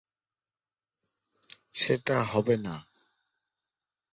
সেটা হবে না।